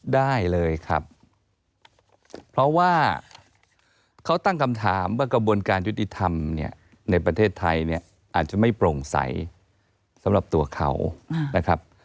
ได้เลยครับเพราะว่าเขาตั้งคำถามว่ากระบวนการยุติธรรมเนี่ยในประเทศไทยเนี่ยอาจจะไม่โปร่งใสสำหรับตัวเขานะครับ